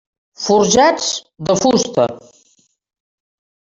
Forjats de fusta.